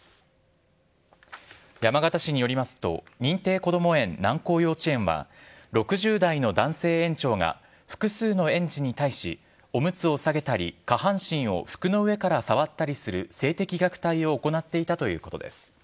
山形市によりますと、認定こども園南光幼稚園は、６０代の男性園長が、複数の園児に対し、おむつを下げたり、下半身を服の上から触ったりする性的虐待を行っていたということです。